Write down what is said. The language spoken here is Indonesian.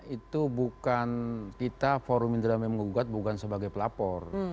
itu bukan kita forum indramayu menggugat bukan sebagai pelapor